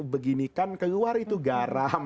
beginikan keluar itu garam